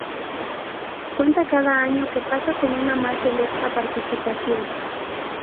Cuenta cada año que pasa con una más selecta participación.